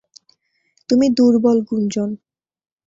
তুমি দুর্বল গুঞ্জন!